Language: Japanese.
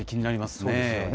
そうですよね。